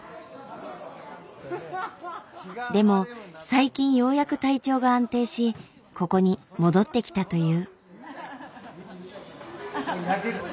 でも最近ようやく体調が安定しここに戻ってきたという。